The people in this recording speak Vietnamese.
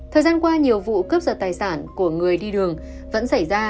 thời gian qua nhiều vụ cướp giật tài sản của người đi đường vẫn xảy ra